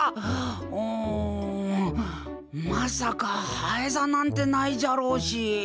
うんまさかハエ座なんてないじゃろうし。